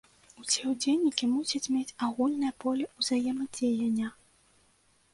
Усе ўдзельнікі мусяць мець агульнае поле ўзаемадзеяння.